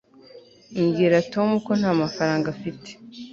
bwira tom ko ntamafaranga afite